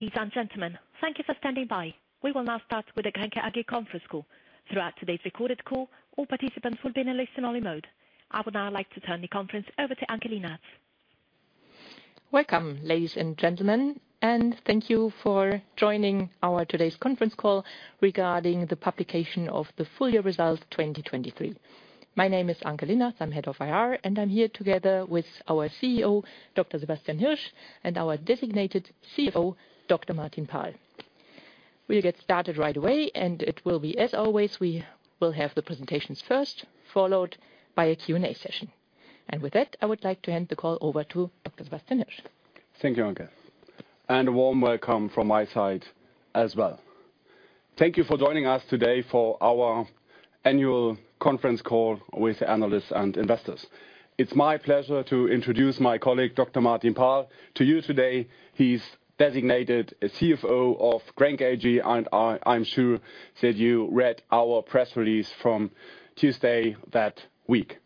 Ladies and gentlemen, thank you for standing by. We will now start with the GRENKE AG Conference Call. Throughout today's recorded call, all participants will be in a listen-only mode. I would now like to turn the conference over to Anke Linnertz. Welcome, ladies and gentlemen, and thank you for joining our today's conference call regarding the publication of the full year results 2023. My name is Anke Linnertz, I'm Head of IR, and I'm here together with our CEO, Dr. Sebastian Hirsch, and our designated CFO, Dr. Martin Paal. We'll get started right away, and it will be as always, we will have the presentations first, followed by a Q&A session. And with that, I would like to hand the call over to Dr. Sebastian Hirsch. Thank you, Anke, and a warm welcome from my side as well. Thank you for joining us today for our annual conference call with analysts and investors. It's my pleasure to introduce my colleague, Dr. Martin Paal, to you today. He's designated as CFO of GRENKE AG, and I, I'm sure that you read our press release from Tuesday that week.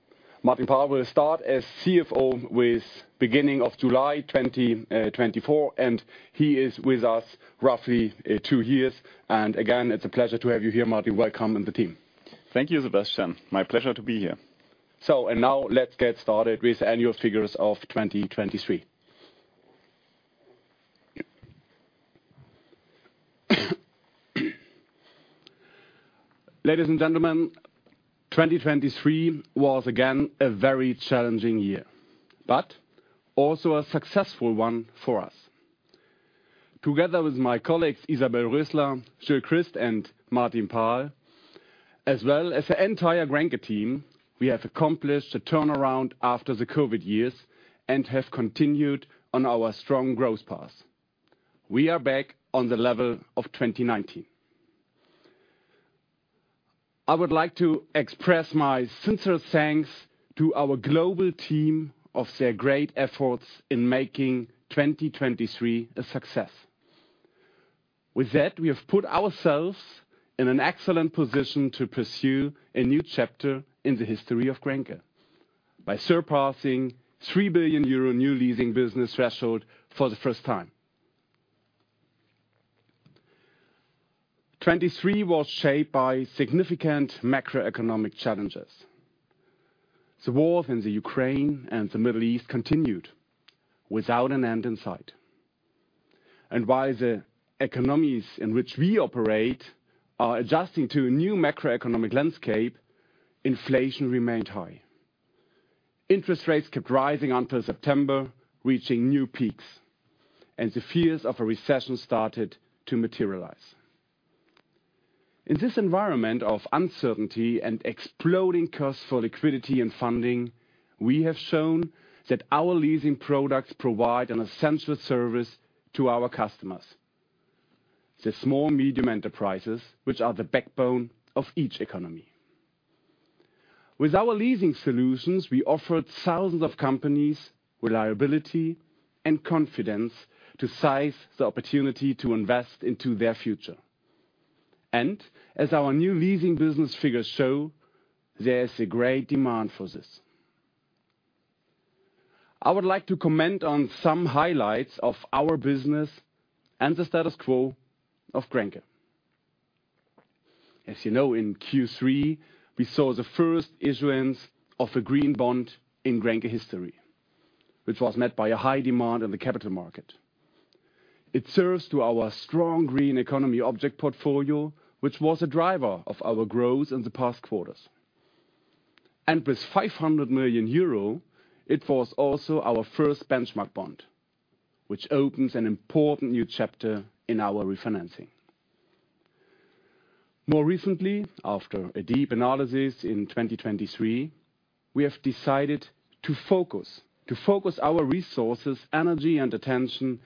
Martin Paal will start as CFO with beginning of July 2024, and he is with us roughly two years. And again, it's a pleasure to have you here, Martin. Welcome on the team. Thank you, Sebastian. My pleasure to be here. So and now let's get started with annual figures of 2023. Ladies and gentlemen, 2023 was again a very challenging year, but also a successful one for us. Together with my colleagues, Isabel Rösler, Gilles Christ, and Martin Paal, as well as the entire Grenke team, we have accomplished a turnaround after the COVID years and have continued on our strong growth path. We are back on the level of 2019. I would like to express my sincere thanks to our global team for their great efforts in making 2023 a success. With that, we have put ourselves in an excellent position to pursue a new chapter in the history of Grenke by surpassing 3 billion euro new leasing business threshold for the first time. 2023 was shaped by significant macroeconomic challenges. The war in the Ukraine and the Middle East continued without an end in sight. While the economies in which we operate are adjusting to a new macroeconomic landscape, inflation remained high. Interest rates kept rising until September, reaching new peaks, and the fears of a recession started to materialize. In this environment of uncertainty and exploding costs for liquidity and funding, we have shown that our leasing products provide an essential service to our customers, the small medium enterprises, which are the backbone of each economy. With our leasing solutions, we offered thousands of companies reliability and confidence to seize the opportunity to invest into their future. As our new leasing business figures show, there is a great demand for this. I would like to comment on some highlights of our business and the status quo of Grenke. As you know, in Q3, we saw the first issuance of a green bond in GRENKE history, which was met by a high demand in the capital market. It serves to our strong green economy object portfolio, which was a driver of our growth in the past quarters. And with 500 million euro, it was also our first benchmark bond, which opens an important new chapter in our refinancing. More recently, after a deep analysis in 2023, we have decided to focus, to focus our resources, energy, and attention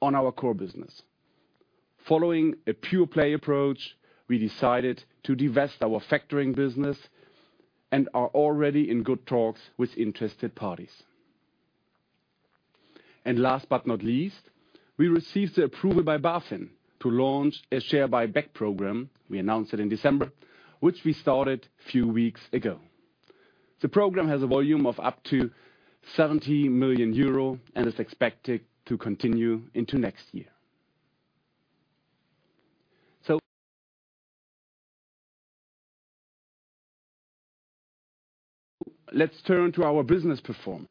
on our core business. Following a pure play approach, we decided to divest our factoring business and are already in good talks with interested parties. And last but not least, we received the approval by BaFin to launch a share buyback program, we announced it in December, which we started a few weeks ago. The program has a volume of up to 70 million euro and is expected to continue into next year. So let's turn to our business performance.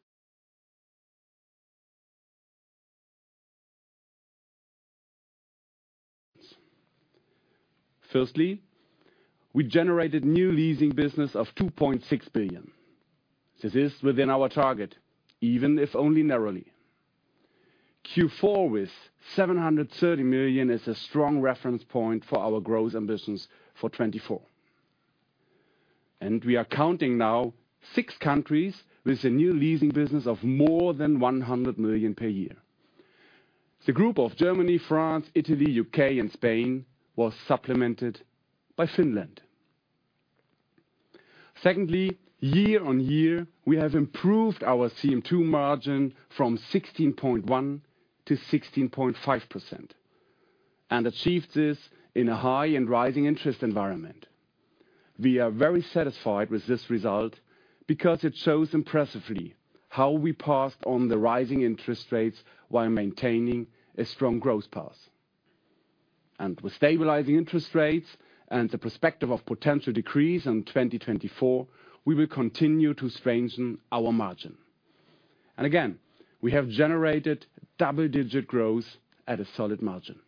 Firstly, we generated new leasing business of 2.6 billion. This is within our target, even if only narrowly. Q4 with 730 million is a strong reference point for our growth ambitions for 2024, and we are counting now six countries with a new leasing business of more than 100 million per year. The group of Germany, France, Italy, UK, and Spain, was supplemented by Finland. Secondly, year-on-year, we have improved our CM2 margin from 16.1%-16.5%, and achieved this in a high and rising interest environment. We are very satisfied with this result, because it shows impressively how we passed on the rising interest rates while maintaining a strong growth path. With stabilizing interest rates and the perspective of potential decrease in 2024, we will continue to strengthen our margin. Again, we have generated double-digit growth at a solid margin.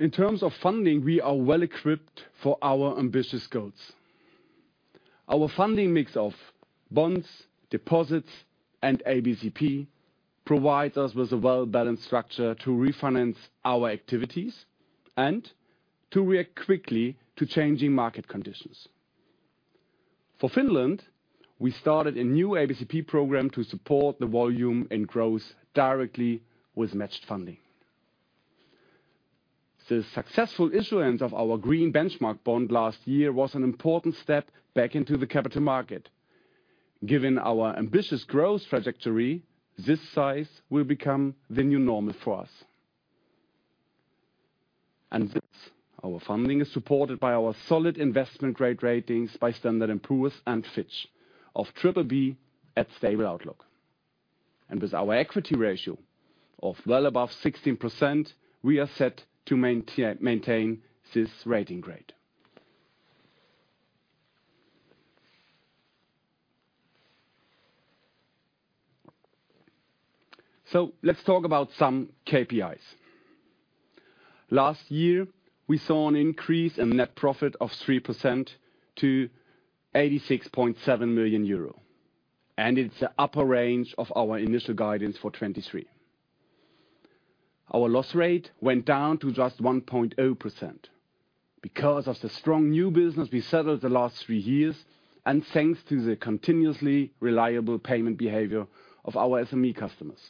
In terms of funding, we are well-equipped for our ambitious goals. Our funding mix of bonds, deposits, and ABCP provides us with a well-balanced structure to refinance our activities and to react quickly to changing market conditions. For Finland, we started a new ABCP program to support the volume and growth directly with matched funding. The successful issuance of our green benchmark bond last year was an important step back into the capital market. Given our ambitious growth trajectory, this size will become the new normal for us. And this, our funding is supported by our solid investment-grade ratings by Standard & Poor's and Fitch of triple B at stable outlook. And with our equity ratio of well above 16%, we are set to maintain this rating grade. So let's talk about some KPIs. Last year, we saw an increase in net profit of 3% to 86.7 million euro, and it's the upper range of our initial guidance for 2023. Our loss rate went down to just 1.0% because of the strong new business we settled the last three years, and thanks to the continuously reliable payment behavior of our SME customers.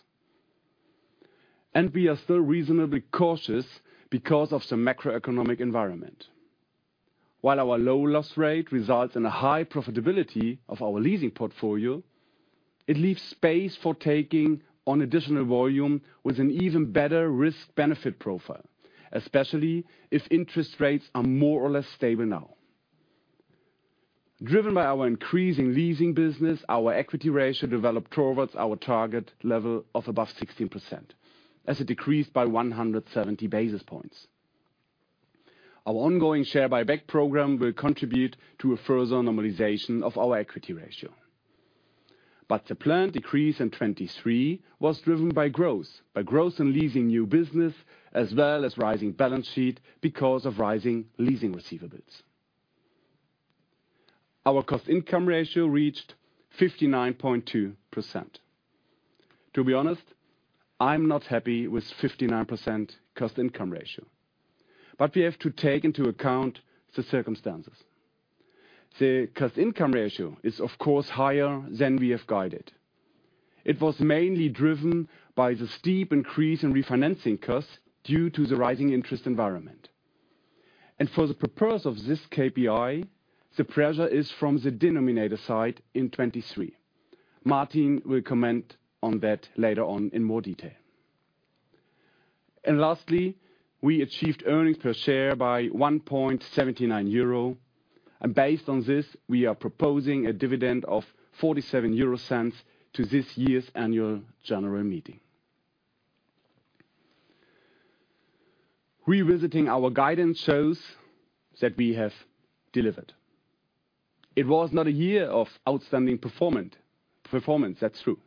And we are still reasonably cautious because of the macroeconomic environment. While our low loss rate results in a high profitability of our leasing portfolio, it leaves space for taking on additional volume with an even better risk-benefit profile, especially if interest rates are more or less stable now. Driven by our increasing leasing business, our equity ratio developed towards our target level of above 16%, as it decreased by 170 basis points. Our ongoing share buyback program will contribute to a further normalization of our equity ratio. But the planned decrease in 2023 was driven by growth, by growth in leasing new business, as well as rising balance sheet because of rising leasing receivables. Our cost-income ratio reached 59.2%. To be honest, I'm not happy with 59% cost-income ratio, but we have to take into account the circumstances. The cost-income ratio is, of course, higher than we have guided. It was mainly driven by the steep increase in refinancing costs due to the rising interest environment. For the purpose of this KPI, the pressure is from the denominator side in 2023. Martin will comment on that later on in more detail. Lastly, we achieved earnings per share of 1.79 euro, and based on this, we are proposing a dividend of 0.47 EUR to this year's annual general meeting. Revisiting our guidance shows that we have delivered. It was not a year of outstanding performance, that's true,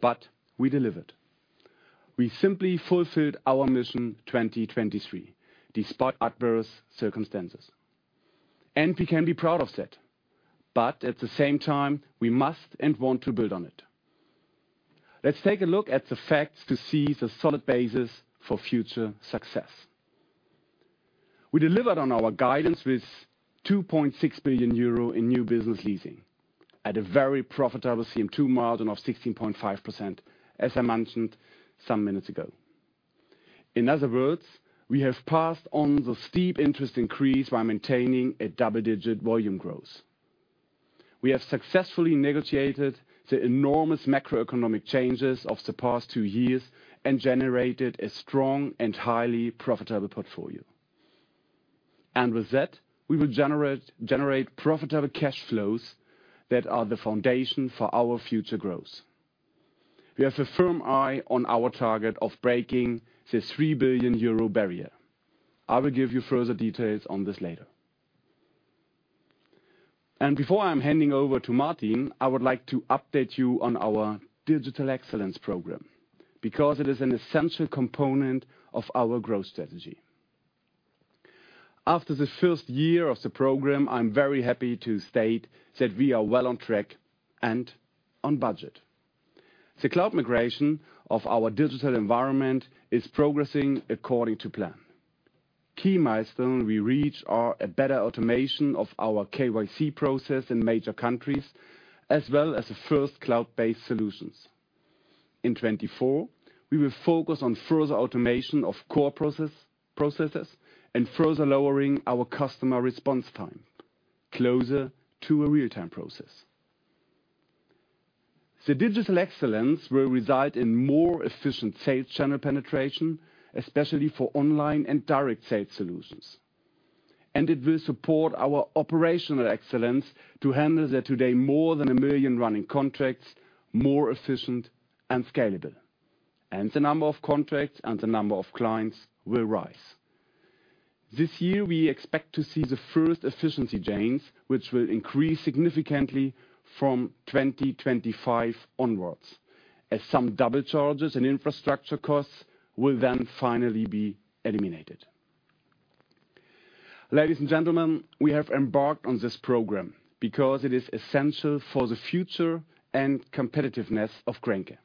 but we delivered. We simply fulfilled our mission 2023, despite adverse circumstances, and we can be proud of that. But at the same time, we must and want to build on it. Let's take a look at the facts to see the solid basis for future success. We delivered on our guidance with 2.6 billion euro in new business leasing at a very profitable CM2 margin of 16.5%, as I mentioned some minutes ago. In other words, we have passed on the steep interest increase by maintaining a double-digit volume growth. We have successfully negotiated the enormous macroeconomic changes of the past two years and generated a strong and highly profitable portfolio. And with that, we will generate profitable cash flows that are the foundation for our future growth. We have a firm eye on our target of breaking the 3 billion euro barrier. I will give you further details on this later. And before I'm handing over to Martin, I would like to update you on our Digital Excellence program, because it is an essential component of our growth strategy. After the first year of the program, I'm very happy to state that we are well on track and on budget. The cloud migration of our digital environment is progressing according to plan. Key milestone we reach are a better automation of our KYC process in major countries, as well as the first cloud-based solutions. In 2024, we will focus on further automation of core processes and further lowering our customer response time closer to a real-time process. The Digital Excellence will reside in more efficient sales channel penetration, especially for online and direct sales solutions. And it will support our operational excellence to handle today more than one million running contracts, more efficient and scalable. The number of contracts and the number of clients will rise. This year, we expect to see the first efficiency gains, which will increase significantly from 2025 onwards, as some double charges and infrastructure costs will then finally be eliminated. Ladies and gentlemen, we have embarked on this program because it is essential for the future and competitiveness of Grenke.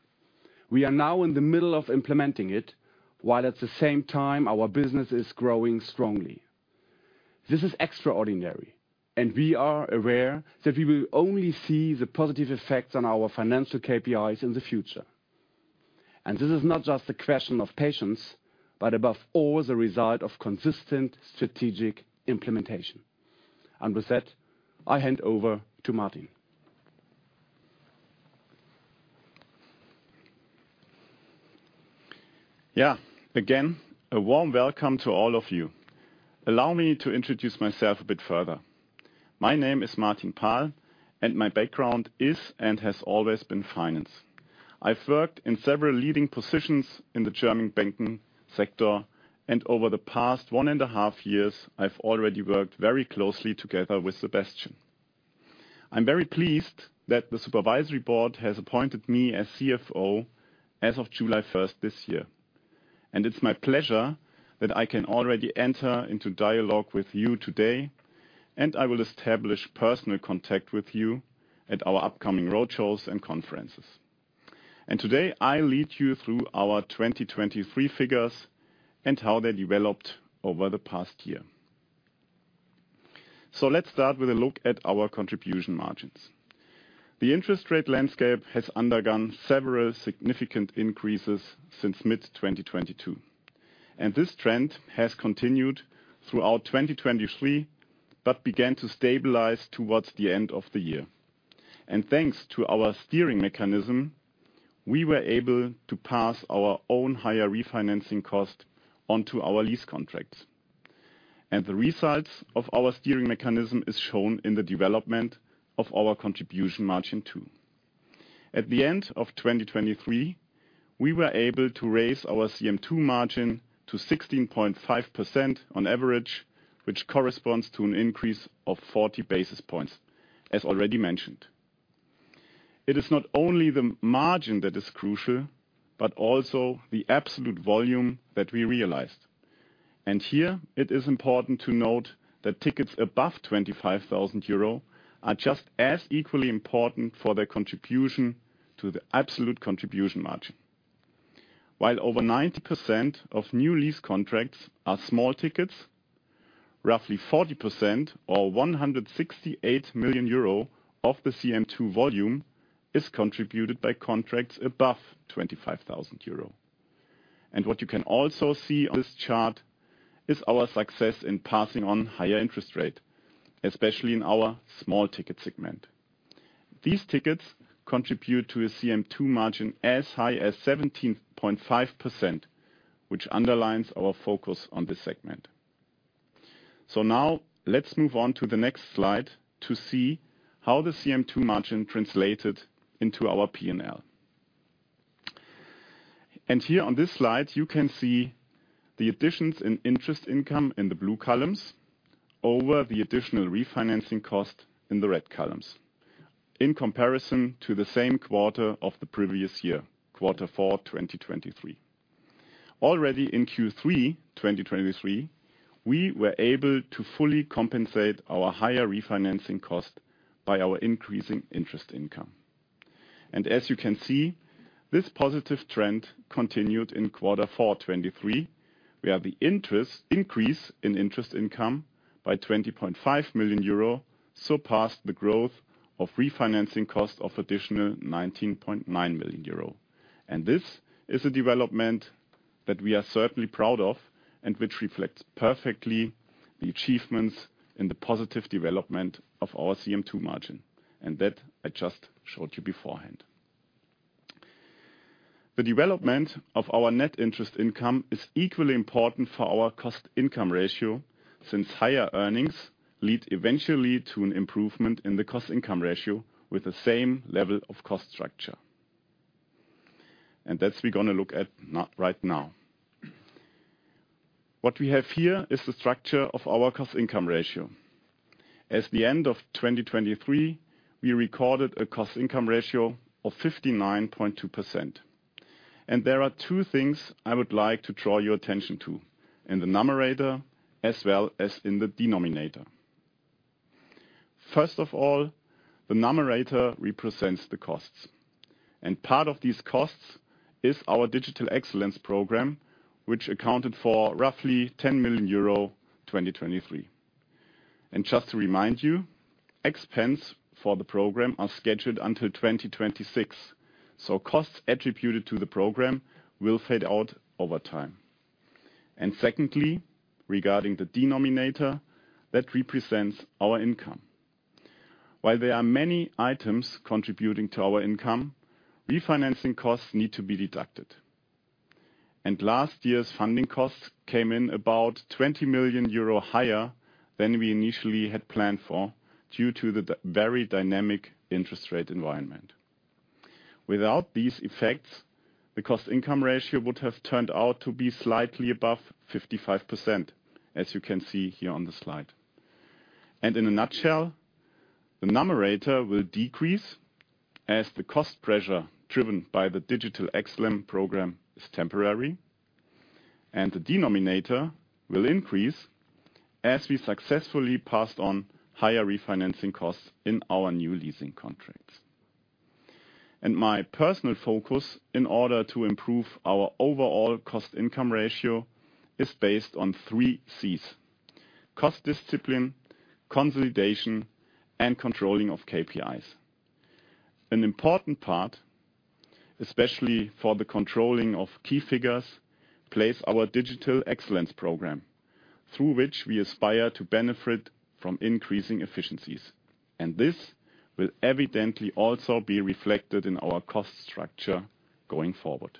We are now in the middle of implementing it, while at the same time our business is growing strongly. This is extraordinary, and we are aware that we will only see the positive effects on our financial KPIs in the future. And this is not just a question of patience, but above all, the result of consistent strategic implementation. And with that, I hand over to Martin. Yeah. Again, a warm welcome to all of you. Allow me to introduce myself a bit further. My name is Martin Paal, and my background is and has always been finance. I've worked in several leading positions in the German banking sector, and over the past one and a half years, I've already worked very closely together with Sebastian. I'm very pleased that the supervisory board has appointed me as CFO as of July first this year. It's my pleasure that I can already enter into dialogue with you today, and I will establish personal contact with you at our upcoming road shows and conferences. Today, I'll lead you through our 2023 figures and how they developed over the past year. Let's start with a look at our contribution margins. The interest rate landscape has undergone several significant increases since mid-2022, and this trend has continued throughout 2023, but began to stabilize towards the end of the year. Thanks to our steering mechanism, we were able to pass our own higher refinancing cost onto our lease contracts. The results of our steering mechanism is shown in the development of our contribution margin, too. At the end of 2023, we were able to raise our CM2 margin to 16.5% on average, which corresponds to an increase of 40 basis points, as already mentioned. It is not only the margin that is crucial, but also the absolute volume that we realized. Here it is important to note that tickets above 25,000 euro are just as equally important for their contribution to the absolute contribution margin. While over 90% of new lease contracts are small tickets, roughly 40%, or 168 million euro of the CM2 volume, is contributed by contracts above 25,000 euro. What you can also see on this chart is our success in passing on higher interest rate, especially in our small ticket segment. These tickets contribute to a CM2 margin as high as 17.5%, which underlines our focus on this segment. Now let's move on to the next slide to see how the CM2 margin translated into our P&L. Here on this slide, you can see the additions in interest income in the blue columns over the additional refinancing cost in the red columns, in comparison to the same quarter of the previous year, quarter four 2023. Already in Q3 2023, we were able to fully compensate our higher refinancing cost by our increasing interest income. As you can see, this positive trend continued in quarter four 2023, where the increase in interest income by 20.5 million euro surpassed the growth of refinancing cost of additional 19.9 million euro. This is a development that we are certainly proud of and which reflects perfectly the achievements and the positive development of our CM2 margin, and that I just showed you beforehand. The development of our net interest income is equally important for our cost-income ratio, since higher earnings lead eventually to an improvement in the cost-income ratio with the same level of cost structure. That's where we're gonna look at right now. What we have here is the structure of our cost-income ratio. At the end of 2023, we recorded a Cost-Income Ratio of 59.2%. There are two things I would like to draw your attention to, in the numerator as well as in the denominator. First of all, the numerator represents the costs, and part of these costs is our Digital Excellence Program, which accounted for roughly 10 million euro, 2023. Just to remind you, expense for the program are scheduled until 2026, so costs attributed to the program will fade out over time.... Secondly, regarding the denominator that represents our income. While there are many items contributing to our income, refinancing costs need to be deducted. Last year's funding costs came in about 20 million euro higher than we initially had planned for, due to the very dynamic interest rate environment. Without these effects, the Cost-Income Ratio would have turned out to be slightly above 55%, as you can see here on the slide. In a nutshell, the numerator will decrease as the cost pressure, driven by the Digital Excellence program, is temporary, and the denominator will increase as we successfully passed on higher refinancing costs in our new leasing contracts. My personal focus in order to improve our overall Cost-Income Ratio is based on three C's: cost discipline, consolidation, and controlling of KPIs. An important part, especially for the controlling of key figures, plays our Digital Excellence program, through which we aspire to benefit from increasing efficiencies, and this will evidently also be reflected in our cost structure going forward.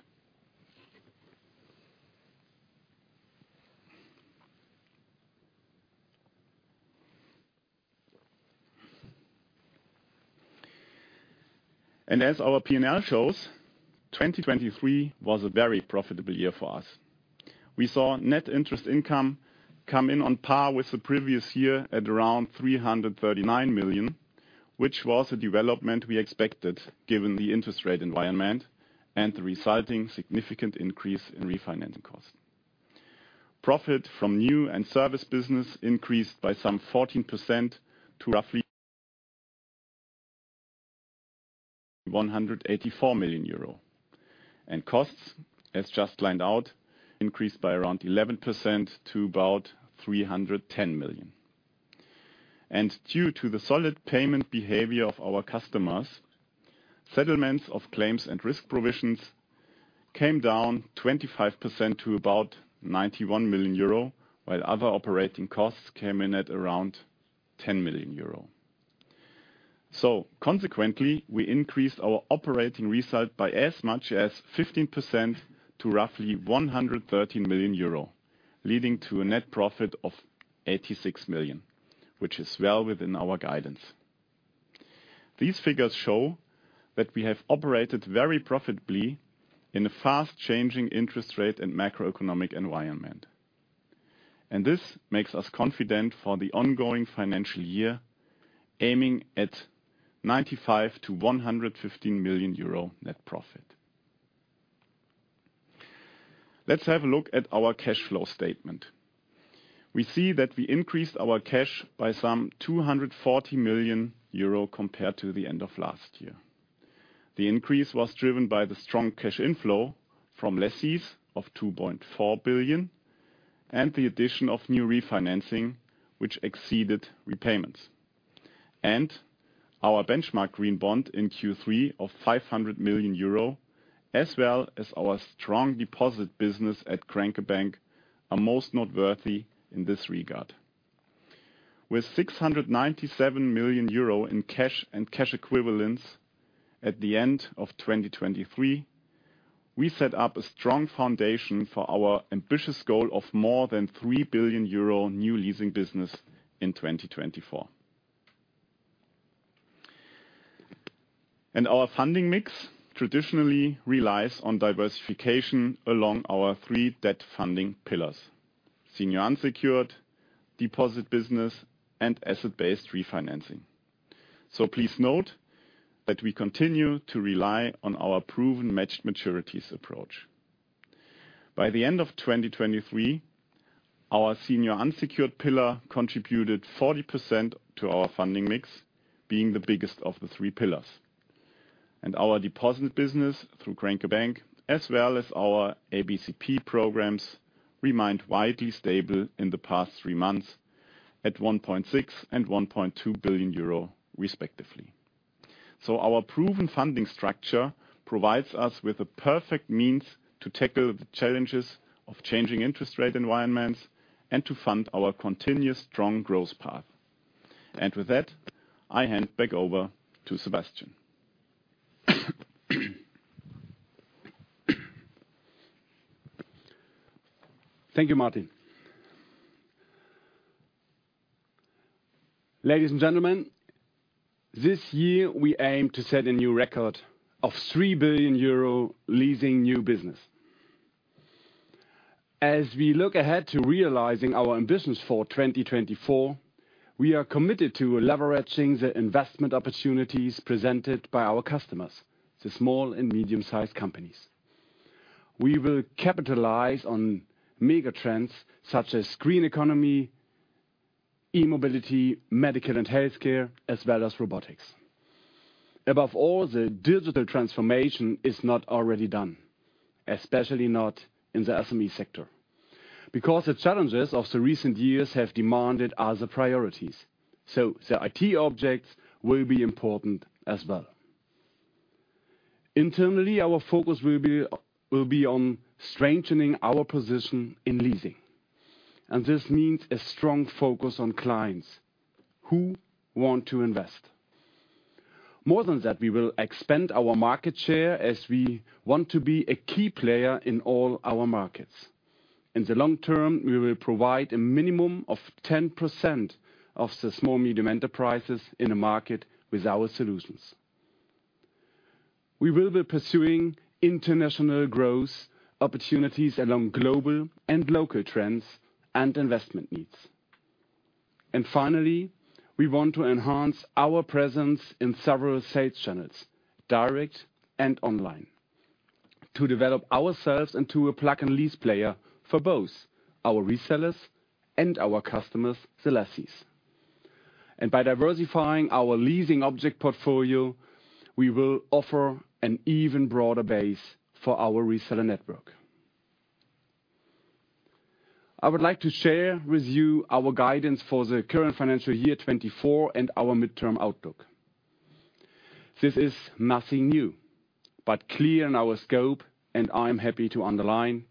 As our P&L shows, 2023 was a very profitable year for us. We saw net interest income come in on par with the previous year at around 339 million, which was a development we expected given the interest rate environment and the resulting significant increase in refinancing costs. Profit from new and service business increased by some 14% to roughly 184 million euro. Costs, as just laid out, increased by around 11% to about 310 million. Due to the solid payment behavior of our customers, settlements of claims and risk provisions came down 25% to about 91 million euro, while other operating costs came in at around 10 million euro. Consequently, we increased our operating result by as much as 15% to roughly 113 million euro, leading to a net profit of 86 million, which is well within our guidance. These figures show that we have operated very profitably in a fast-changing interest rate and macroeconomic environment. This makes us confident for the ongoing financial year, aiming at 95-115 million euro net profit. Let's have a look at our cash flow statement. We see that we increased our cash by some 240 million euro compared to the end of last year. The increase was driven by the strong cash inflow from lessees of 2.4 billion, and the addition of new refinancing, which exceeded repayments. Our benchmark green bond in Q3 of 500 million euro, as well as our strong deposit business at Grenke Bank, are most noteworthy in this regard. With 697 million euro in cash and cash equivalents at the end of 2023, we set up a strong foundation for our ambitious goal of more than 3 billion euro new leasing business in 2024. Our funding mix traditionally relies on diversification along our three debt funding pillars: senior unsecured, deposit business, and asset-based refinancing. Please note that we continue to rely on our proven matched maturities approach. By the end of 2023, our senior unsecured pillar contributed 40% to our funding mix, being the biggest of the three pillars. Our deposit business through Grenke Bank, as well as our ABCP programs, remained widely stable in the past three months at 1.6 billion and 1.2 billion euro, respectively. Our proven funding structure provides us with a perfect means to tackle the challenges of changing interest rate environments and to fund our continuous strong growth path. With that, I hand back over to Sebastian. Thank you, Martin. Ladies and gentlemen, this year we aim to set a new record of 3 billion euro leasing new business. As we look ahead to realizing our ambitions for 2024, we are committed to leveraging the investment opportunities presented by our customers, the small and medium-sized companies. We will capitalize on mega trends such as green economy, e-mobility, medical and healthcare, as well as robotics. Above all, the digital transformation is not already done, especially not in the SME sector, because the challenges of the recent years have demanded other priorities, so the IT objects will be important as well. Internally, our focus will be, will be on strengthening our position in leasing, and this means a strong focus on clients who want to invest. More than that, we will expand our market share as we want to be a key player in all our markets. In the long term, we will provide a minimum of 10% of the small medium enterprises in the market with our solutions. We will be pursuing international growth opportunities along global and local trends and investment needs. Finally, we want to enhance our presence in several sales channels, direct and online, to develop ourselves into a plug-and-lease player for both our resellers and our customers, the lessees. By diversifying our leasing object portfolio, we will offer an even broader base for our reseller network. I would like to share with you our guidance for the current financial year 2024, and our midterm outlook. This is nothing new, but clear in our scope, and I'm happy to underline,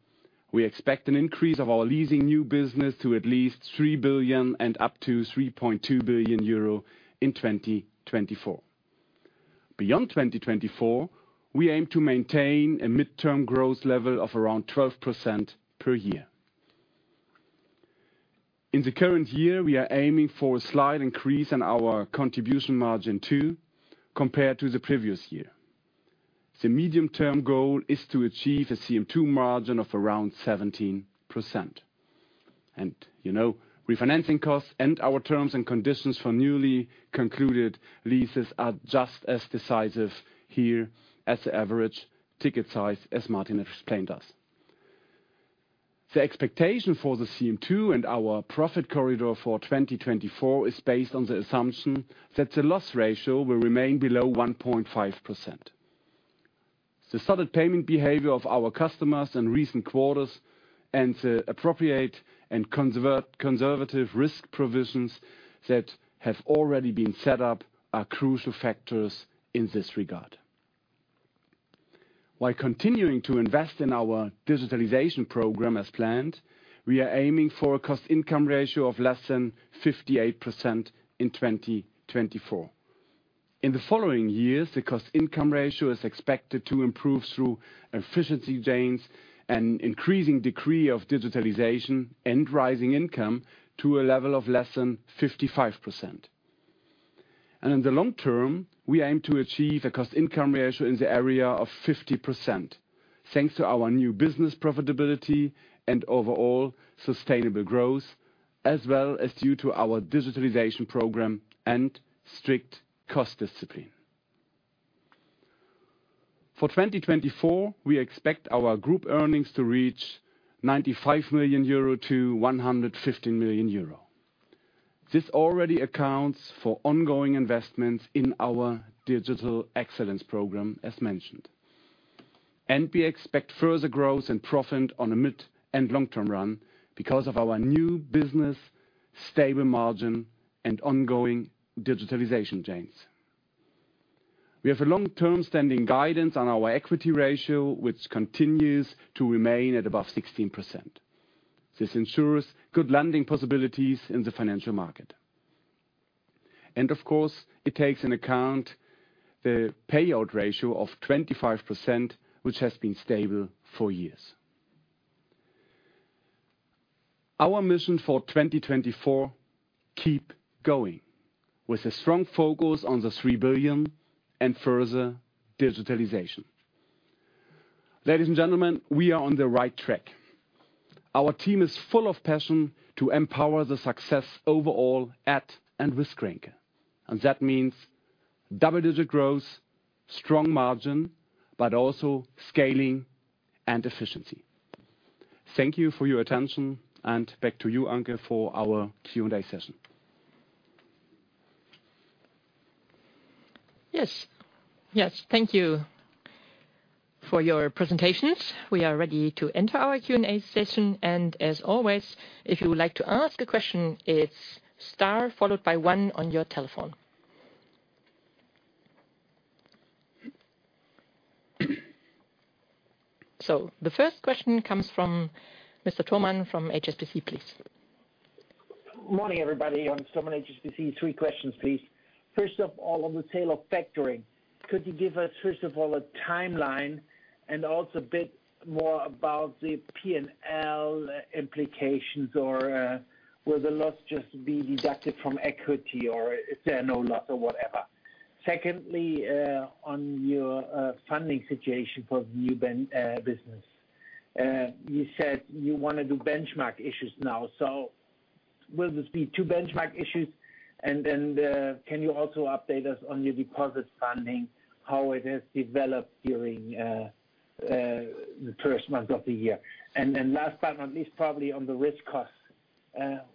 we expect an increase of our leasing new business to at least 3 billion and up to 3.2 billion euro in 2024. Beyond 2024, we aim to maintain a midterm growth level of around 12% per year. In the current year, we are aiming for a slight increase in our contribution margin, too, compared to the previous year. The medium-term goal is to achieve a CM2 margin of around 17%. You know, refinancing costs and our terms and conditions for newly concluded leases are just as decisive here as the average ticket size, as Martin explained to us. The expectation for the CM2 and our profit corridor for 2024 is based on the assumption that the loss ratio will remain below 1.5%. The solid payment behavior of our customers in recent quarters and the appropriate and conservative risk provisions that have already been set up are crucial factors in this regard. While continuing to invest in our Digital Excellence program as planned, we are aiming for a Cost-Income Ratio of less than 58% in 2024. In the following years, the Cost-Income Ratio is expected to improve through efficiency gains and increasing degree of digitalization and rising income to a level of less than 55%. In the long term, we aim to achieve a Cost-Income Ratio in the area of 50%, thanks to our new business profitability and overall sustainable growth, as well as due to our Digital Excellence program and strict cost discipline. For 2024, we expect our group earnings to reach 95 million-115 million euro. This already accounts for ongoing investments in our Digital Excellence program, as mentioned. We expect further growth and profit on a mid- and long-term run because of our new business, stable margin, and ongoing digitalization gains. We have a long-term standing guidance on our equity ratio, which continues to remain at above 16%. This ensures good lending possibilities in the financial market. Of course, it takes into account the payout ratio of 25%, which has been stable for years. Our mission for 2024: keep going with a strong focus on the 3 billion and further digitalization. Ladies and gentlemen, we are on the right track. Our team is full of passion to empower the success overall at and with GRENKE, and that means double-digit growth, strong margin, but also scaling and efficiency. Thank you for your attention, and back to you, Anke, for our Q&A session. Yes. Yes, thank you for your presentations. We are ready to enter our Q&A session, and as always, if you would like to ask a question, it's star followed by one on your telephone. So the first question comes from Mr. Thormann from HSBC, please. Morning, everybody. I'm Thormann, HSBC. Three questions, please. First of all, on the sale of factoring, could you give us, first of all, a timeline and also a bit more about the PNL implications, or, will the loss just be deducted from equity, or is there no loss or whatever? Secondly, on your funding situation for the new business, you said you want to do benchmark issues now, so will this be two benchmark issues? And then, can you also update us on your deposit funding, how it has developed during the first month of the year? And then last but not least, probably on the risk costs,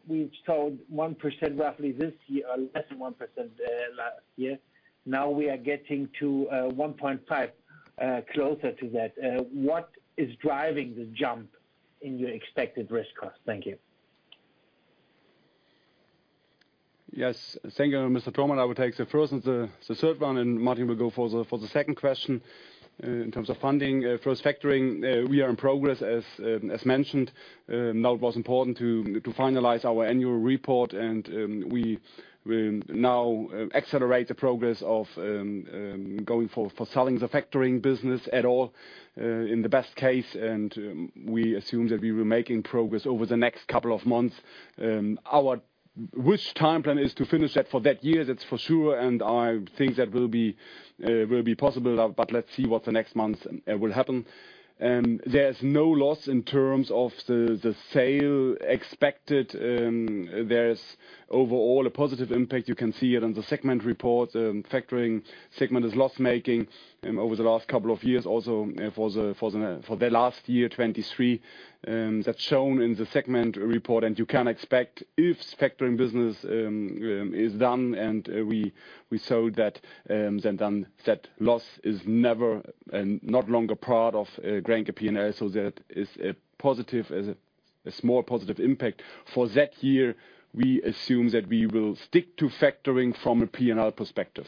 we've shown 1% roughly this year, or less than 1%, last year. Now we are getting to 1.5%, closer to that. What is driving the jump in your expected risk cost? Thank you.... Yes, thank you, Mr. Thormann. I will take the first and the third one, and Martin will go for the second question. In terms of funding, first factoring, we are in progress as mentioned. Now it was important to finalize our annual report, and we will now accelerate the progress of going for selling the factoring business at all, in the best case. And we assume that we will making progress over the next couple of months. Our wish time plan is to finish that for that year, that's for sure, and I think that will be possible. But let's see what the next months will happen. There's no loss in terms of the sale expected. There's overall a positive impact. You can see it on the segment report. Factoring segment is loss-making over the last couple of years, also for the last year, 2023. That's shown in the segment report. And you can expect if factoring business is done, and we sold that, then that loss is never and not longer part of GRENKE P&L. So that is a positive, a small positive impact. For that year, we assume that we will stick to factoring from a P&L perspective.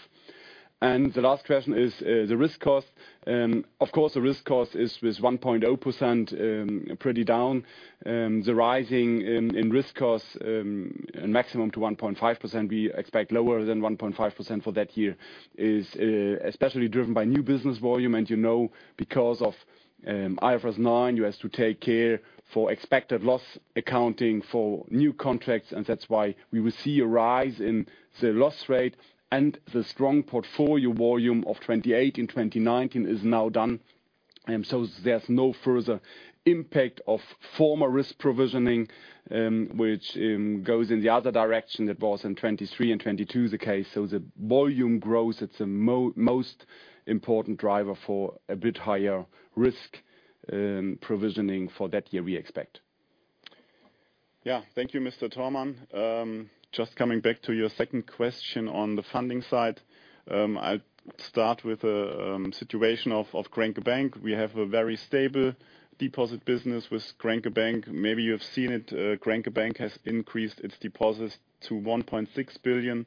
And the last question is the risk cost. Of course, the risk cost is, was 1.0%, pretty down. The rising in risk costs, maximum to 1.5%, we expect lower than 1.5% for that year, is especially driven by new business volume. And, you know, because of IFRS nine, you has to take care for expected loss accounting for new contracts, and that's why we will see a rise in the loss rate. And the strong portfolio volume of 28 and 2019 is now done, so there's no further impact of former risk provisioning, which goes in the other direction. That was in 2023 and 2022, the case. So the volume growth, it's the most important driver for a bit higher risk provisioning for that year, we expect. Yeah. Thank you, Mr. Thormann. Just coming back to your second question on the funding side. I'll start with the situation of Grenke Bank. We have a very stable deposit business with Grenke Bank. Maybe you've seen it, Grenke Bank has increased its deposits to 1.6 billion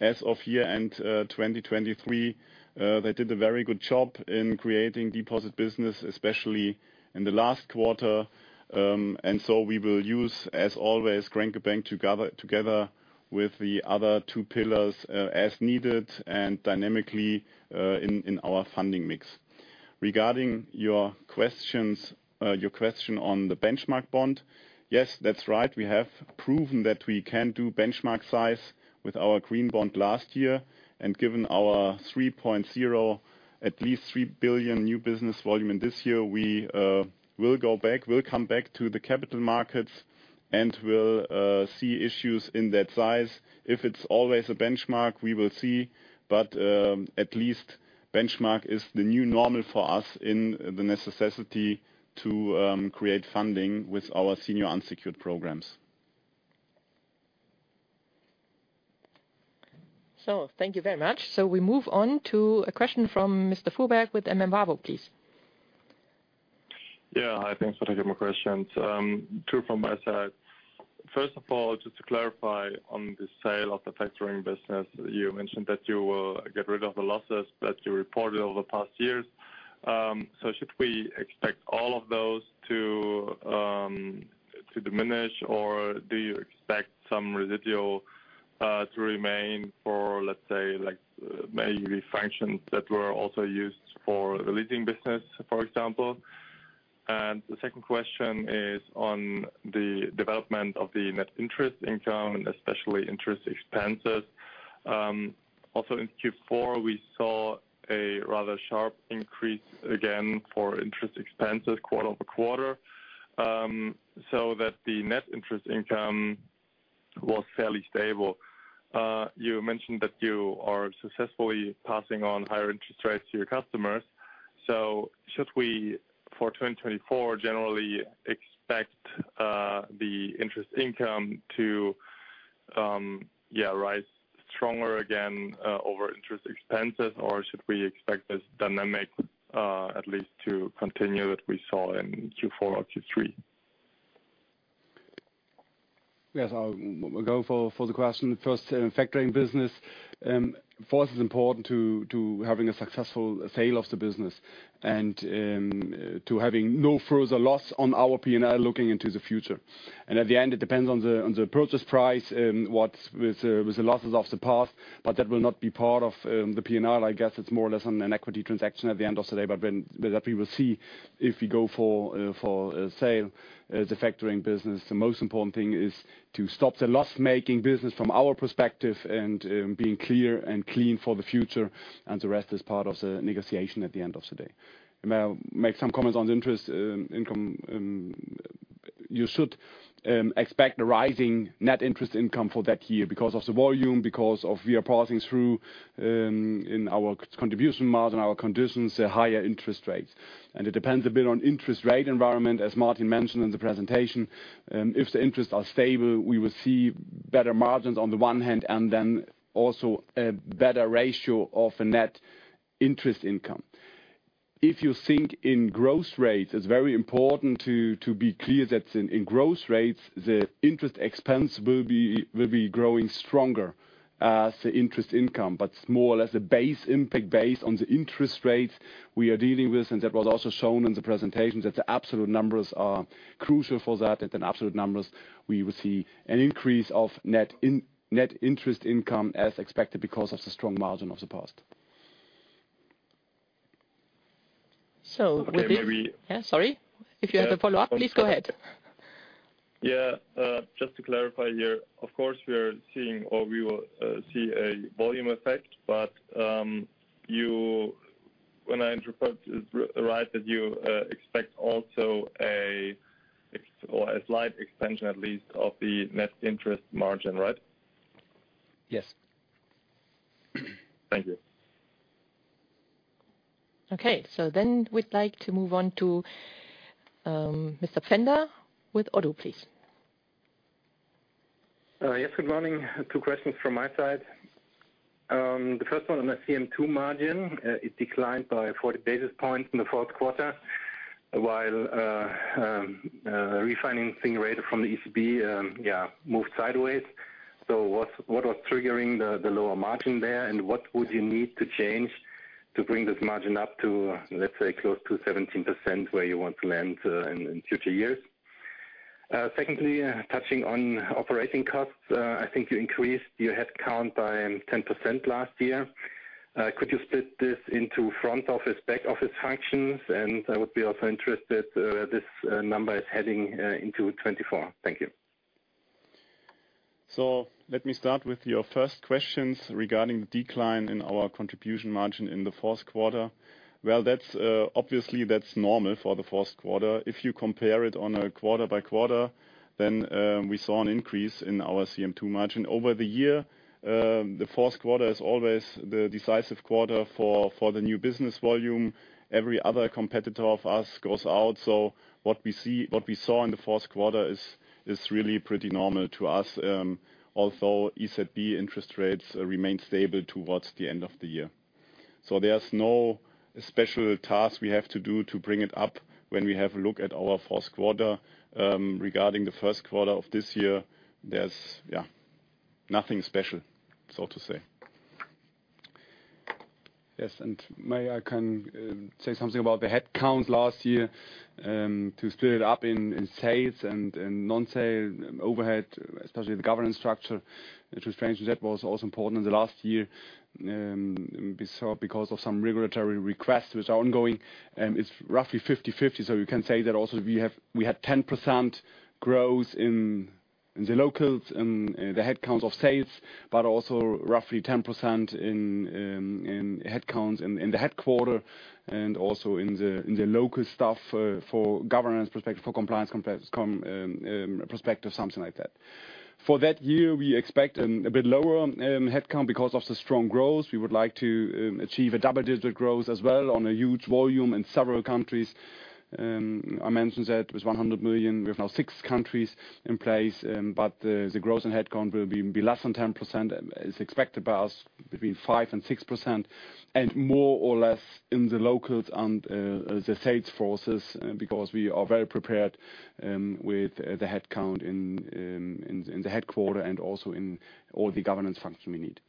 as of year-end 2023. They did a very good job in creating deposit business, especially in the last quarter. And so we will use, as always, Grenke Bank together with the other two pillars, as needed and dynamically, in our funding mix. Regarding your questions, your question on the benchmark bond, yes, that's right. We have proven that we can do benchmark size with our green bond last year. Given our 3.0, at least 3 billion new business volume in this year, we will go back, will come back to the capital markets, and we'll see issues in that size. If it's always a benchmark, we will see. But at least benchmark is the new normal for us in the necessity to create funding with our senior unsecured programs. Thank you very much. We move on to a question from Mr. Fuhrberg with M.M. Warburg & CO, please. Yeah, hi, thanks for taking my questions. Two from my side. First of all, just to clarify on the sale of the factoring business, you mentioned that you will get rid of the losses that you reported over the past years. So should we expect all of those to diminish, or do you expect some residual to remain for, let's say, like, maybe functions that were also used for the leasing business, for example? And the second question is on the development of the net interest income, especially interest expenses. Also in Q4, we saw a rather sharp increase again for interest expenses quarter-over-quarter, so that the net interest income was fairly stable. You mentioned that you are successfully passing on higher interest rates to your customers. So should we, for 2024, generally expect the interest income to, yeah, rise stronger again over interest expenses, or should we expect this dynamic at least to continue that we saw in Q4 or Q3? Yes, I'll go for the question. First, in factoring business, for us it's important to having a successful sale of the business and to having no further loss on our P&L looking into the future. And at the end, it depends on the purchase price, what's with the losses of the past, but that will not be part of the P&L. I guess it's more or less on an equity transaction at the end of the day, but then, but that we will see if we go for a sale, the factoring business. The most important thing is to stop the loss-making business from our perspective and being clear and clean for the future, and the rest is part of the negotiation at the end of the day. May I make some comments on the interest, income? You should expect a rising net interest income for that year because of the volume, because of we are passing through, in our contribution margin, our conditions, the higher interest rates. It depends a bit on interest rate environment, as Martin mentioned in the presentation. If the interests are stable, we will see better margins on the one hand, and then also a better ratio of a net interest income. If you think in growth rates, it's very important to be clear that in growth rates, the interest expense will be growing stronger as the interest income. But more or less a base impact base on the interest rates we are dealing with, and that was also shown in the presentation, that the absolute numbers are crucial for that. And then absolute numbers, we will see an increase of net interest income as expected, because of the strong margin of the past. So with this- Maybe- Yeah, sorry. If you have a follow-up, please go ahead. Yeah, just to clarify here, of course, we are seeing or we will see a volume effect. But, when I interpret it right, you expect also an expansion or a slight expansion at least of the net interest margin, right? Yes. Thank you. Okay. So then we'd like to move on to Mr. Pinckaers with Odoo, please. Yes, good morning. Two questions from my side. The first one on the CM2 margin. It declined by 40 basis points in the fourth quarter, while refinancing rate from the ECB moved sideways. So what was triggering the lower margin there? And what would you need to change to bring this margin up to, let's say, close to 17%, where you want to land in future years? Secondly, touching on operating costs, I think you increased your headcount by 10% last year. Could you split this into front office, back office functions? And I would be also interested where this number is heading into 2024. Thank you. So let me start with your first questions regarding the decline in our contribution margin in the fourth quarter. Well, that's obviously that's normal for the fourth quarter. If you compare it on a quarter by quarter, then we saw an increase in our CM2 margin. Over the year, the fourth quarter is always the decisive quarter for the new business volume. Every other competitor of us goes out, so what we see—what we saw in the fourth quarter is really pretty normal to us, although ECB interest rates remain stable towards the end of the year. So there's no special task we have to do to bring it up when we have a look at our fourth quarter. Regarding the first quarter of this year, there's yeah nothing special, so to say. Yes, and may I can say something about the headcount last year, to split it up in sales and non-sales overhead, especially the governance structure, which was also important in the last year. Because of some regulatory requests which are ongoing, it's roughly 50/50, so you can say that also, we had 10% growth in the locals and the headcounts of sales, but also roughly 10% in headcounts in the headquarters and also in the local staff, for governance perspective, for compliance perspective, something like that. For that year, we expect a bit lower headcount because of the strong growth. We would like to achieve a double-digit growth as well on a huge volume in several countries. I mentioned that it was 100 million. We have now six countries in place, but the growth in headcount will be less than 10%. It's expected by us between 5% and 6%, and more or less in the locals and the sales forces, because we are very prepared with the headcount in the headquarters and also in all the governance function we need.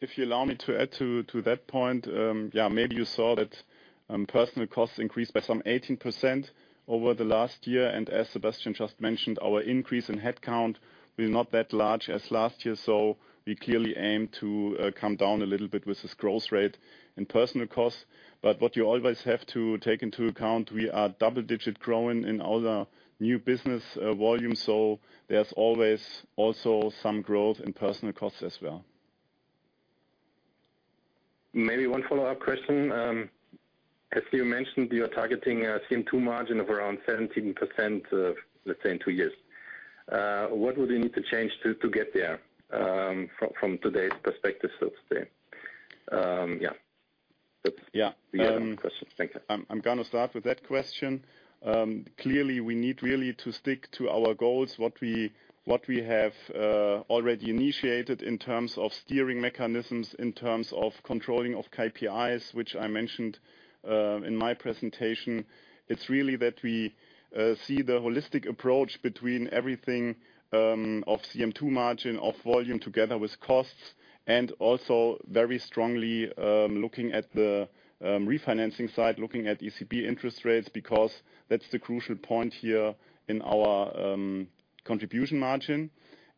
If you allow me to add to that point, yeah, maybe you saw that personnel costs increased by some 18% over the last year. As Sebastian just mentioned, our increase in headcount was not that large as last year, so we clearly aim to come down a little bit with this growth rate in personnel costs. But what you always have to take into account, we are double digit growing in all the new business volume, so there's always also some growth in personnel costs as well. Maybe one follow-up question. As you mentioned, you are targeting a CM2 margin of around 17%, let's say, in two years. What would you need to change to get there, from today's perspective, so to say? Yeah. Yeah. The other question. Thank you. I'm gonna start with that question. Clearly, we need really to stick to our goals, what we, what we have already initiated in terms of steering mechanisms, in terms of controlling of KPIs, which I mentioned in my presentation. It's really that we see the holistic approach between everything of CM2 margin, of volume together with costs, and also very strongly looking at the refinancing side, looking at ECB interest rates, because that's the crucial point here in our contribution margin.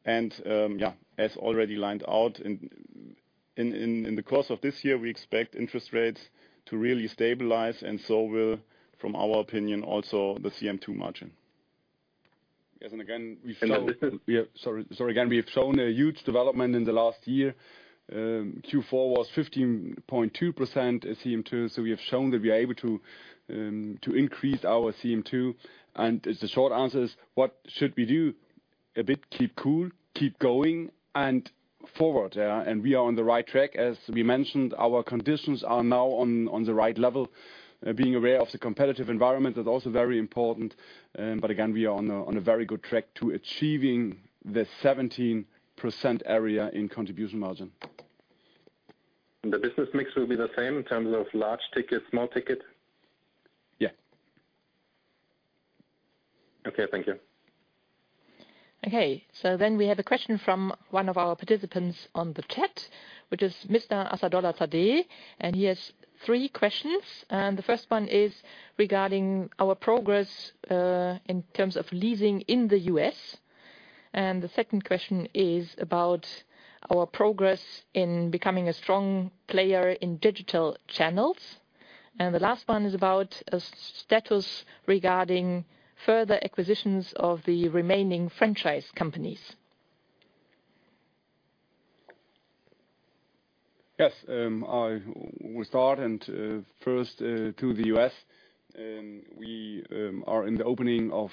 Yeah, as already lined out, in the course of this year, we expect interest rates to really stabilize, and so will, from our opinion, also the CM2 margin. Yes, and again, we've shown- And the- Yeah, sorry, sorry. Again, we have shown a huge development in the last year. Q4 was 15.2% CM2, so we have shown that we are able to to increase our CM2. And the short answer is: What should we do? A bit, keep cool, keep going, and forward, and we are on the right track. As we mentioned, our conditions are now on, on the right level. Being aware of the competitive environment is also very important, but again, we are on a, on a very good track to achieving the 17% area in contribution margin. The business mix will be the same in terms of large ticket, small ticket? Yeah.... Okay, thank you. Okay, so then we have a question from one of our participants on the chat, which is Mr. Asadollah Thate, and he has three questions. The first one is regarding our progress in terms of leasing in the US. The second question is about our progress in becoming a strong player in digital channels. The last one is about status regarding further acquisitions of the remaining franchise companies. Yes, I will start, and first, to the US, we are in the opening of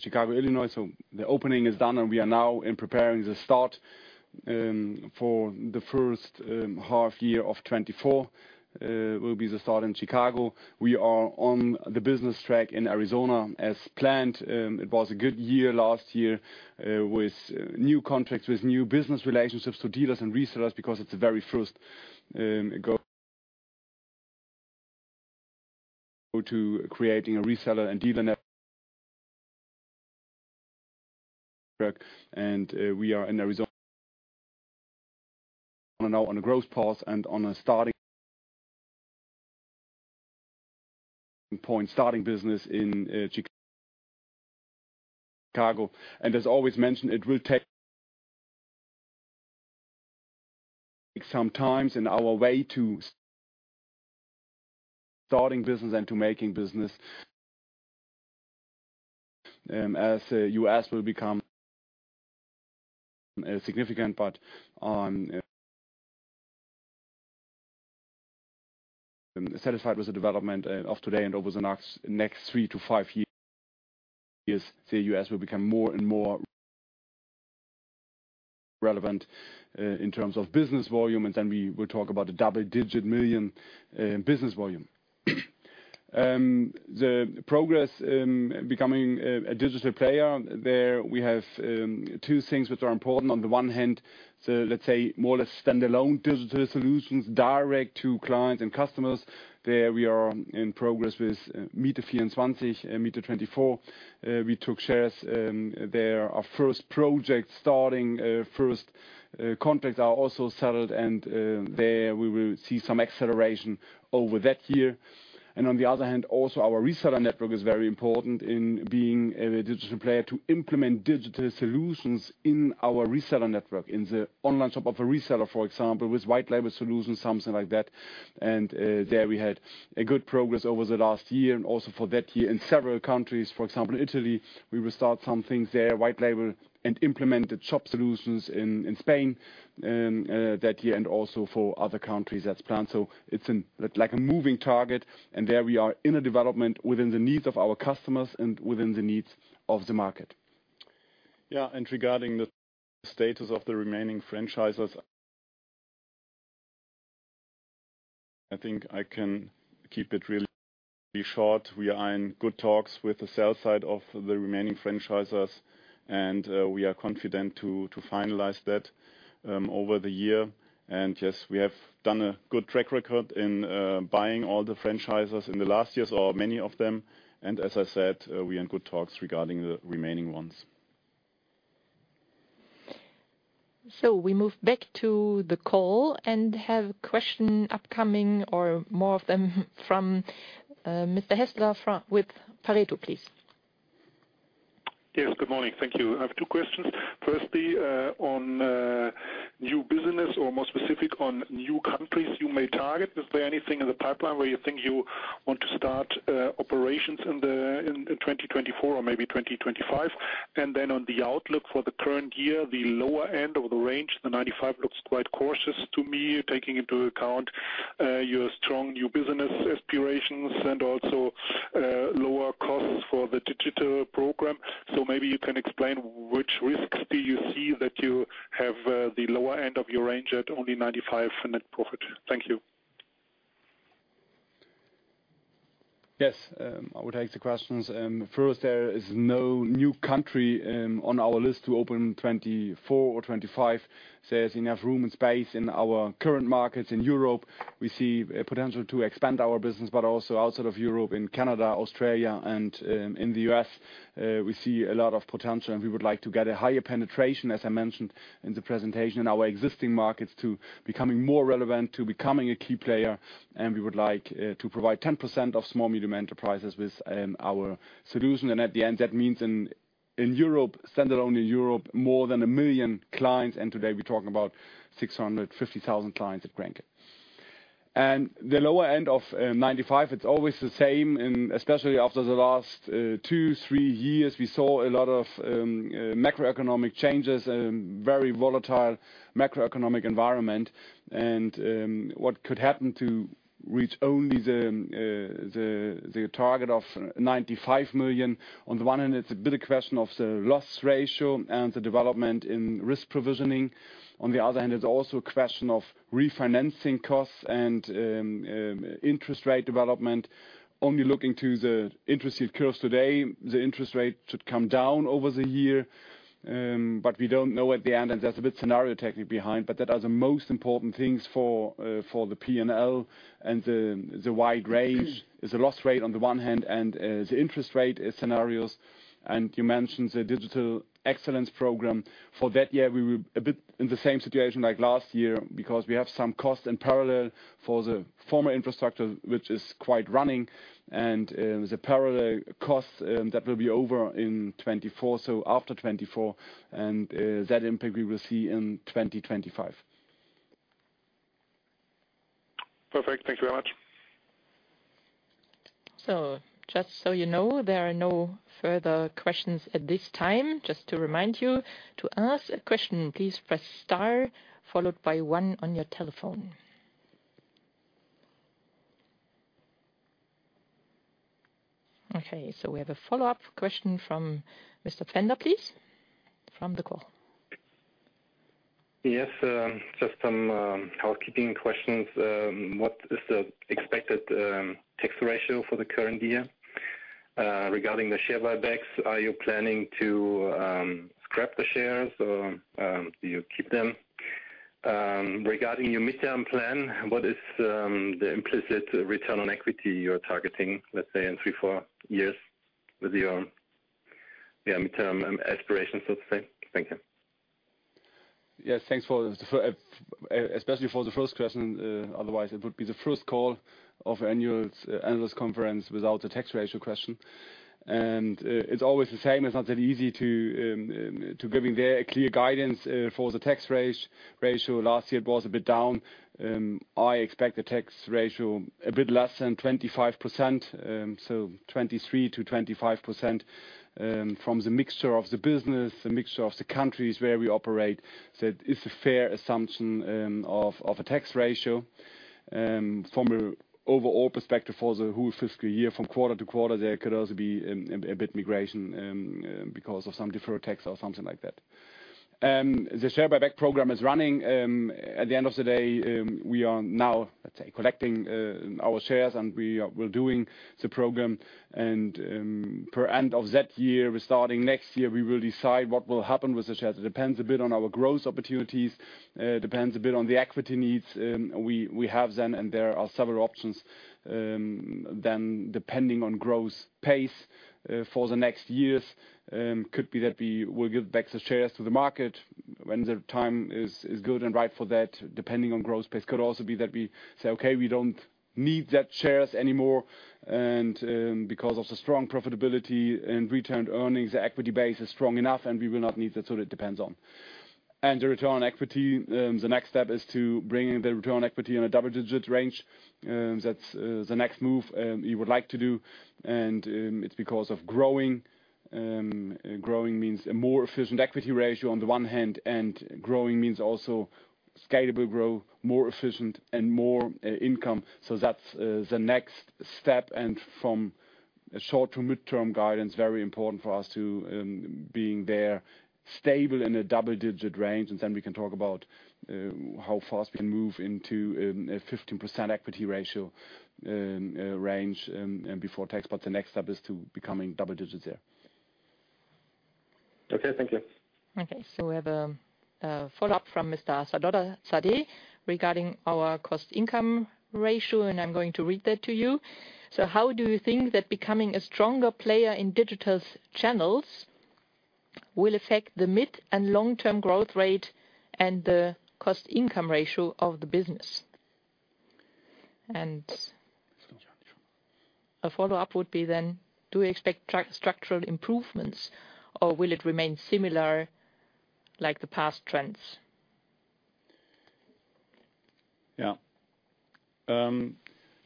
Chicago, Illinois. So the opening is done, and we are now in preparing the start for the first half year of 2024, will be the start in Chicago. We are on the business track in Arizona as planned. It was a good year last year with new contracts, with new business relationships to dealers and resellers, because it's the very first go to creating a reseller and dealer network. And we are in Arizona now on a growth path and on a starting point, starting business in Chicago. And as always mentioned, it will take some times in our way to starting business and to making business, as US will become a significant part on... Satisfied with the development of today and over the next three to five years, the US will become more and more relevant in terms of business volume, and then we will talk about a double-digit million business volume. The progress becoming a digital player, there we have two things which are important. On the one hand, so let's say more or less standalone digital solutions, direct to clients and customers. There we are in progress with Miet24. We took shares there. Our first project starting, first contracts are also settled, and there we will see some acceleration over that year. On the other hand, also our reseller network is very important in being a digital player to implement digital solutions in our reseller network, in the online shop of a reseller, for example, with white label solutions, something like that. There we had good progress over the last year and also for that year in several countries. For example, Italy, we will start some things there, white label, and implement the shop solutions in Spain that year and also for other countries as planned. So it's an, like a moving target, and there we are in a development within the needs of our customers and within the needs of the market. Yeah, and regarding the status of the remaining franchisees, I think I can keep it really short. We are in good talks with the sales side of the remaining franchisees, and we are confident to finalize that over the year. And yes, we have done a good track record in buying all the franchisees in the last years or many of them, and as I said, we're in good talks regarding the remaining ones. So we move back to the call and have a question upcoming or more of them from Mr. Hässler with Pareto, please. Yes, good morning. Thank you. I have two questions. Firstly, on new business or more specific, on new countries you may target. Is there anything in the pipeline where you think you want to start operations in 2024 or maybe 2025? And then on the outlook for the current year, the lower end of the range, the 95 looks quite cautious to me, taking into account your strong new business aspirations and also lower costs for the digital program. So maybe you can explain which risks do you see that you have the lower end of your range at only 95 for net profit? Thank you. Yes, I will take the questions. First, there is no new country on our list to open 24 or 25. There's enough room and space in our current markets in Europe. We see a potential to expand our business, but also outside of Europe, in Canada, Australia, and in the US, we see a lot of potential, and we would like to get a higher penetration, as I mentioned in the presentation, in our existing markets, to becoming more relevant, to becoming a key player. And we would like to provide 10% of small, medium enterprises with our solution. And at the end, that means in Europe, standalone in Europe, more than 1 million clients, and today we're talking about 650,000 clients at credit. And the lower end of 95 million, it's always the same, and especially after the last two, three years, we saw a lot of macroeconomic changes, very volatile macroeconomic environment. And what could happen to reach only the target of 95 million, on the one hand, it's a bit a question of the loss ratio and the development in risk provisioning. On the other hand, it's also a question of refinancing costs and interest rate development. Only looking to the interest rate curves today, the interest rate should come down over the year, but we don't know at the end, and there's a bit scenario technique behind. But that are the most important things for the PNL and the wide range is the loss rate on the one hand and the interest rate scenarios. And you mentioned the Digital Excellence program. For that year, we were a bit in the same situation like last year because we have some costs in parallel for the former infrastructure, which is quite running, and the parallel costs that will be over in 2024, so after 2024, and that impact we will see in 2025.... Perfect. Thank you very much. So just so you know, there are no further questions at this time. Just to remind you, to ask a question, please press star followed by one on your telephone. Okay, so we have a follow-up question from Mr. Pinckaers, please, from the call. Yes, just some housekeeping questions. What is the expected tax ratio for the current year? Regarding the share buybacks, are you planning to scrap the shares, or do you keep them? Regarding your midterm plan, what is the implicit return on equity you're targeting, let's say, in three, four years with your, yeah, midterm aspirations, so to say? Thank you. Yes, thanks for especially for the first question, otherwise it would be the first call of annual analyst conference without a tax ratio question. It's always the same. It's not that easy to giving there a clear guidance for the tax ratio. Last year it was a bit down. I expect the tax ratio a bit less than 25%, so 23%-25%. From the mixture of the business, the mixture of the countries where we operate, that it's a fair assumption of a tax ratio. From an overall perspective for the whole fiscal year, from quarter to quarter, there could also be a bit migration because of some deferred tax or something like that. The share buyback program is running. At the end of the day, we are now, let's say, collecting our shares, and we're doing the program. By end of that year, we're starting next year, we will decide what will happen with the shares. It depends a bit on our growth opportunities, it depends a bit on the equity needs we have then, and there are several options. Then, depending on growth pace for the next years, could be that we will give back the shares to the market when the time is good and right for that, depending on growth pace. Could also be that we say, "Okay, we don't need that shares anymore." Because of the strong profitability and return earnings, the equity base is strong enough, and we will not need that, so it depends on. And the Return on Equity, the next step is to bring in the Return on Equity in a double-digit range. That's the next move we would like to do, and it's because of growing. Growing means a more efficient Equity Ratio on the one hand, and growing means also scalable growth, more efficient and more income. So that's the next step, and from a short to midterm guidance, very important for us to being there, stable in a double-digit range. And then we can talk about how fast we can move into a 15% Equity Ratio range, and before tax. But the next step is to becoming double digits there. Okay, thank you. Okay, so we have a follow-up from Mr. Asadollah Thate regarding our cost-income ratio, and I'm going to read that to you. So how do you think that becoming a stronger player in digital's channels will affect the mid- and long-term growth rate and the cost-income ratio of the business? And- Conjunction. A follow-up would be then, do we expect structural improvements, or will it remain similar like the past trends? Yeah.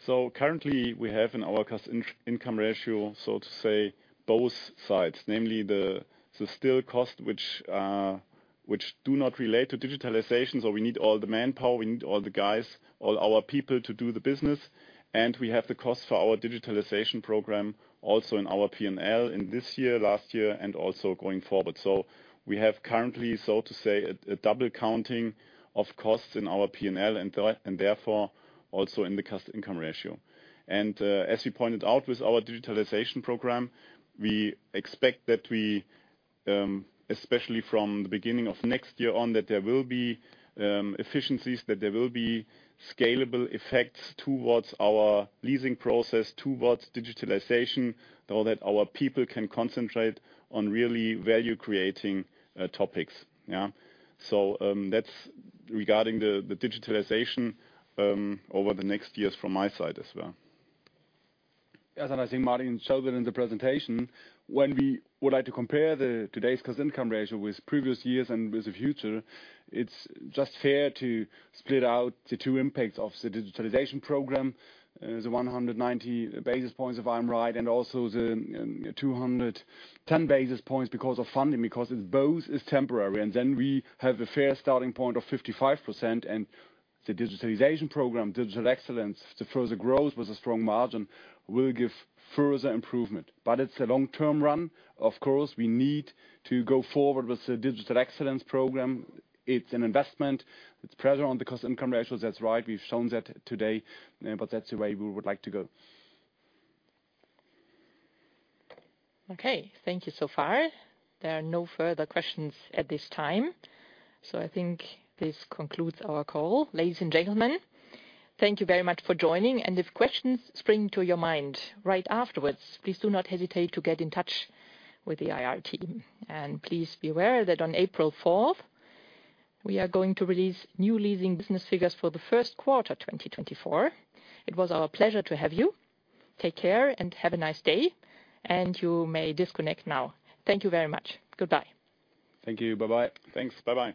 So currently we have in our cost-income ratio, so to say, both sides, namely the still cost, which do not relate to digitalization, where we need all the manpower, we need all the guys, all our people to do the business. And we have the cost for our digitalization program also in our P&L in this year, last year, and also going forward. So we have currently, so to say, a double counting of costs in our P&L, and therefore, also in the cost-income ratio. And as you pointed out with our digitalization program, we expect that we especially from the beginning of next year on, that there will be efficiencies, that there will be scalable effects towards our leasing process, towards digitalization. So that our people can concentrate on really value-creating topics, yeah? That's regarding the digitalization over the next years from my side as well. Yes, and I think Martin showed it in the presentation. When we would like to compare today's Cost-Income Ratio with previous years and with the future, it's just fair to split out the two impacts of the digitalization program. The 100 basis points, if I'm right, and also the 210 basis points because of funding, because it's both is temporary. And then we have a fair starting point of 55%, and the digitalization program, Digital Excellence, to further growth with a strong margin, will give further improvement. But it's a long-term run. Of course, we need to go forward with the Digital Excellence program. It's an investment. It's pressure on the Cost-Income Ratios, that's right. We've shown that today, but that's the way we would like to go. Okay, thank you so far. There are no further questions at this time. I think this concludes our call. Ladies and gentlemen, thank you very much for joining, and if questions spring to your mind right afterwards, please do not hesitate to get in touch with the IR team. Please be aware that on April Fourth, we are going to release new leasing business figures for the first quarter, 2024. It was our pleasure to have you. Take care and have a nice day, and you may disconnect now. Thank you very much. Goodbye. Thank you. Bye-bye. Thanks. Bye-bye.